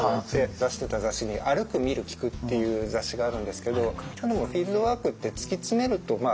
出してた雑誌に「あるくみるきく」っていう雑誌があるんですけどフィールドワークって突き詰めると「あるく・みる・きく」。